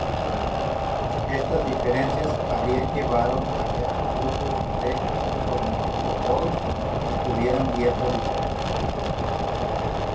Estas diferencias habrían llevado a que ambos grupos de ornitópodos tuvieran dietas diferentes.